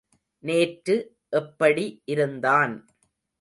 நேற்று எப்படி இருந்தான்.